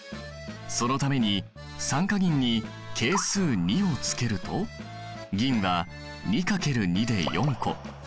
そのために酸化銀に係数２をつけると銀は２×２で４個。